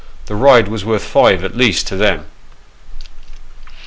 the ride was worth five, at least, to them.